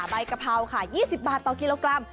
ใบกะเพราค่ะ๒๐บาทต่อกิโลกรัม